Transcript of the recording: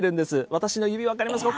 私の指、分かりますか。